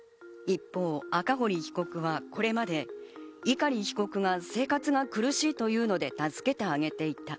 一方、赤堀被告はこれまで碇被告が生活が苦しいというので助けてあげていた。